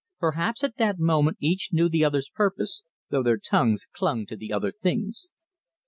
Perhaps at that moment each knew the other's purpose, though their tongues clung to the other things.